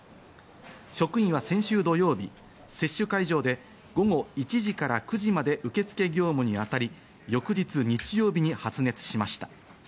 職員は先週土曜日、接種会場で午後１時から９時まで受付業務にあたり、翌日日曜日に発熱しました。